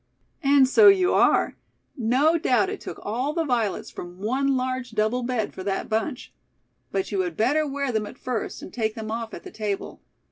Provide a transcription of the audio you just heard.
"And so you are. No doubt it took all the violets from one large double bed for that bunch. But you had better wear them at first, and take them off at the table.